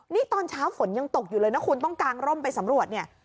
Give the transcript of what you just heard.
นี่ตอนเช้าฝนยังตกอยู่เลยนะคุณต้องกางร่มไปสำรวจเนี่ย